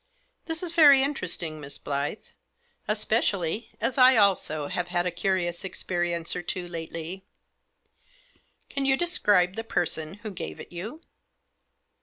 " This is very interesting, Miss Blyth. Especially as I also have had a curious experience or two lately. Can you describe the person who gave it you